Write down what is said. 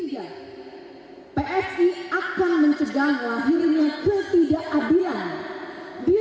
di titik tiga psi akan mencegah wabirnya ketidakadilan diskriminasi dan seluruh tindakan intoleransi di negeri ini